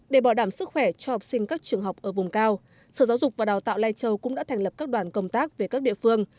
để bảo đảm sức khỏe cho học sinh các trường học ở vùng cao sở giáo dục và đào tạo lai châu cũng đã thành lập các đoàn công tác về các địa phương